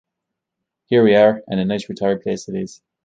Here we are, and a nice retired place it is.